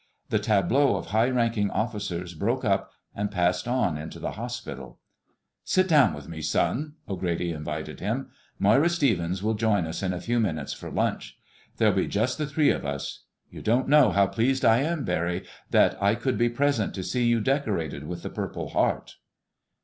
The tableau of high ranking officers broke up and passed on into the hospital. "Sit down with me, son," O'Grady invited him. "Moira Stevens will join us in a few minutes for lunch. There'll be just the three of us. You don't know how pleased I am, Barry, that I could be present to see you decorated with the Purple Heart."